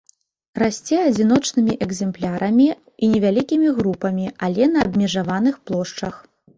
Расце адзіночнымі экземплярамі і невялікімі групамі, але на абмежаваных плошчах.